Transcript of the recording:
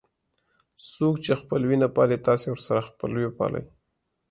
څوک چې خپلوي نه پالي تاسې ورسره خپلوي وپالئ.